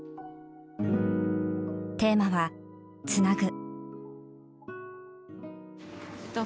テーマは「つなぐ」。